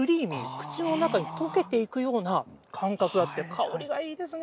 口の中に溶けていくような感覚があって、香りがいいですね。